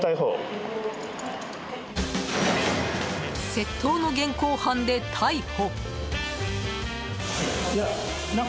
窃盗の現行犯で逮捕。